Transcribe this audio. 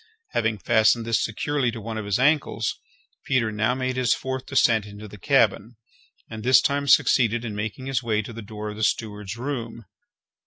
Having fastened this securely to one of his ankles, Peters now made his fourth descent into the cabin, and this time succeeded in making his way to the door of the steward's room.